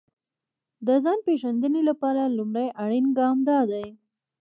د ځان پېژندنې لپاره لومړی اړين ګام دا دی.